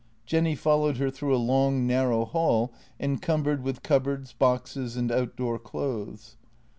Jenny followed her through a long, narrow hall encumbered with cupboards, boxes, and outdoor clothes.